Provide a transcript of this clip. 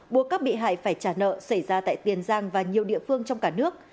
buộc các bị hại phải trả nợ xảy ra tại tiền giang và nhiều địa phương trong cả nước